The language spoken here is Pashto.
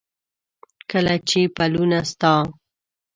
کله چې پلونه ستا،